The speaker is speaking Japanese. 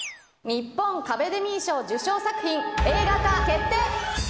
日本カベデミー賞受賞作品、映画化決定。